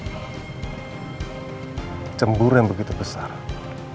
aku menyesal itu karena aku sudah berusaha untuk membuatnya lebih baik